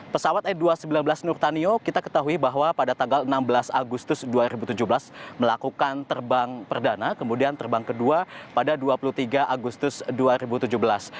pesawat n dua ratus sembilan belas nurtanio kita ketahui bahwa pada tanggal enam belas agustus dua ribu tujuh belas melakukan terbang perdana kemudian terbang kedua pada dua puluh tiga agustus dua ribu tujuh belas